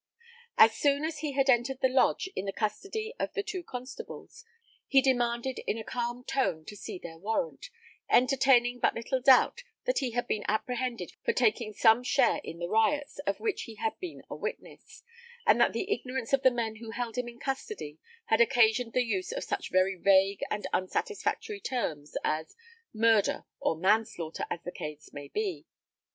As soon as he had entered the lodge in the custody of the two constables, he demanded in a calm tone to see their warrant, entertaining but little doubt that he had been apprehended for taking some share in the riots of which he had been a witness, and that the ignorance of the men who held him in custody had occasioned the use of such very vague and unsatisfactory terms as 'murder or manslaughter, as the case may be.'